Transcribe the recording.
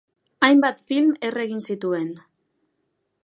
Hainbat film erre egin zituen.